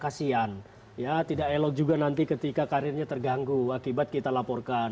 kasian ya tidak elok juga nanti ketika karirnya terganggu akibat kita laporkan